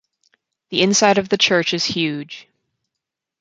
The inside of the church is huge.